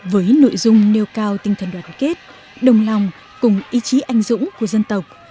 với nội dung nêu cao tinh thần đoàn kết đồng lòng cùng ý chí anh dũng của dân tộc